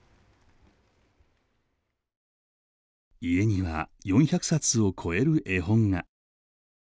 家には４００冊を超える絵本が。